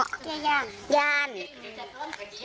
มันเห็นอย่างไร